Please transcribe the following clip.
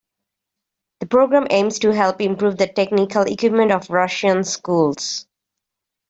The program aims to help improve the technical equipment of Russian schools.